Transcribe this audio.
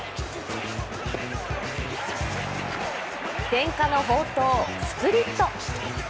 伝家の宝刀スプリット。